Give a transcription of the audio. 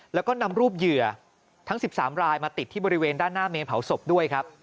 แล้วก็นำรูปเหยื่อทั้ง๑๓รายมาติดที่บริเวณด้านหน้าเมนเผาศพด้วยครับ